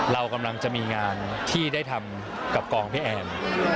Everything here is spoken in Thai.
เรากำลังจะมีงานที่ได้ทำกับกองพี่แอน